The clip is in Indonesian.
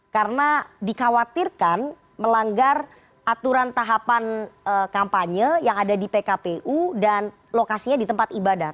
karena dikhawatirkan melanggar aturan tahapan kampanye yang ada di pkpu dan lokasinya di tempat lain